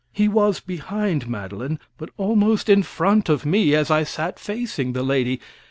He was behind Madeline, but almost in front of me, as I sat facing the lady.